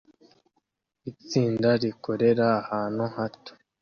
Itsinda rikorera ahantu hato